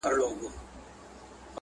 پردى غم تر واورو سوړ دئ.